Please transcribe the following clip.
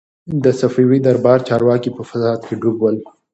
د صفوي دربار چارواکي په فساد کي ډوب ول.